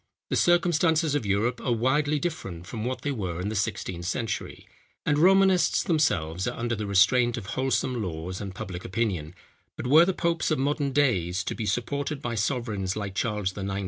The circumstances of Europe are widely different from what they were in the sixteenth century; and Romanists themselves are under the restraint of wholesome laws and public opinion; but were the popes of modern days to be supported by sovereigns like Charles IX.